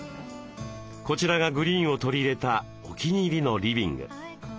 こちらがグリーンを取り入れたお気に入りのリビング。